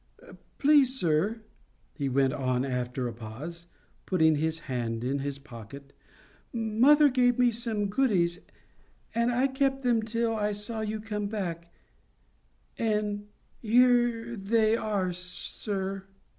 "Please, sir," he went on after a pause, putting his nand in his pocket, "mother gave me some goodies, and I kept them till I saw you come back, and here they are, sir."